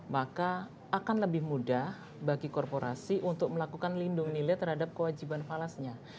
maka akan lebih mudah bagi korporasi untuk melakukan lindung nilai terhadap kewajiban falasnya